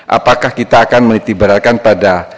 apakah kita akan menitiberalkan pada